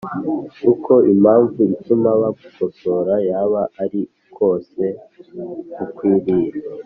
Uko impamvu ituma bagukosora yaba ari kose ukwiriye